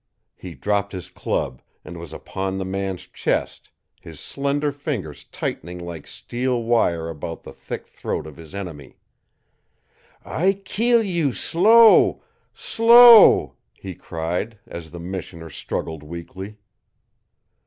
He dropped his club, and was upon the man's chest, his slender fingers tightening like steel wire about the thick throat of his enemy. "I keel you slow slow!" he cried, as the missioner struggled weakly.